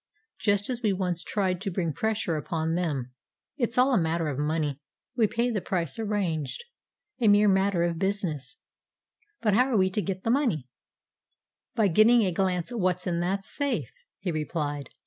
"Just as we once tried to bring pressure upon them. It's all a matter of money. We pay the price arranged a mere matter of business." "But how are we to get money?" "By getting a glance at what's in that safe," he replied.